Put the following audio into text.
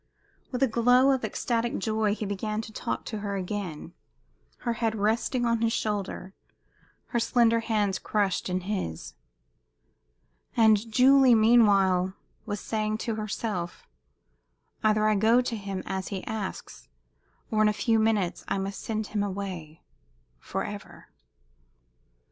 With a glow of ecstatic joy he began to talk to her again, her head resting on his shoulder, her slender hands crushed in his. And Julie, meanwhile, was saying to herself, "Either I go to him, as he asks, or in a few minutes I must send him away forever."